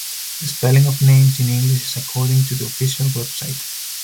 The spelling of names in English is according to the official website.